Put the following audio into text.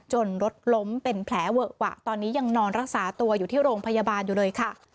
รถล้มเป็นแผลเวอะวะตอนนี้ยังนอนรักษาตัวอยู่ที่โรงพยาบาลอยู่เลยค่ะ